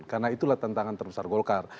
karena itulah tantangan terbesar golkar